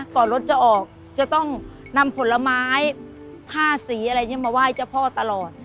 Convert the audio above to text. ก่อนรถจะออกจะต้องนำผลไม้ผ้าสีอะไรอย่างนี้มาไหว้เจ้าพ่อตลอด